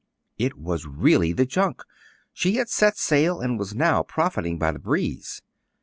It was really the junk ! She had set sail, and was now profiting by the breeze.